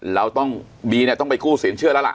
เราต้องบีเนี่ยต้องไปกู้สินเชื่อแล้วล่ะ